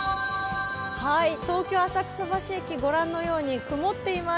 東京・浅草橋駅、ご覧のように曇っています。